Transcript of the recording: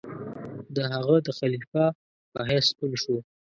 د هغه د خلیفه په حیث ستون شو.